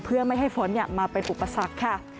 เพื่อไม่ให้ฝนมาเป็นอุปสรรคค่ะ